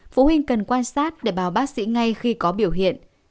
phụ huynh cần quan sát để bào bác sĩ ngay khi có biểu hiện